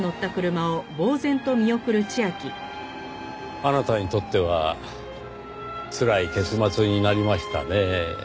あなたにとってはつらい結末になりましたね。